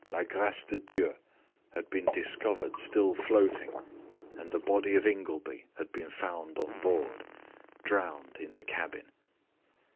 La Grace de Dieu had been discovered still floating, and the body of Ingleby had been found on board, drowned in the cabin.